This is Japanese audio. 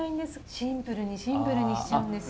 シンプルにシンプルにしちゃうんです。